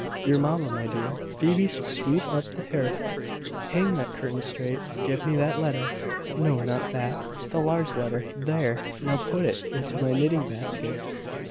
"Your mamma, my dear? Phoebe, sweep up the hearth. Hang that curtain straight. Give me that letter, no, not that, the large letter. There! now put it into my knitting basket.